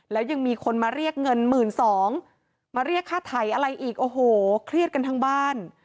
แล้วยังมีคนมาเรียกเงินหมื่นสองมาเรียกค่าไถอะไรอีกโอ้โหเครียดกันทั้งบ้าน